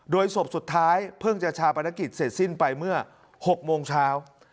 โดยศพสุดท้ายเพิ่งจะชาปนกิจเสร็จสิ้นไปเมื่อ๖โมงเช้า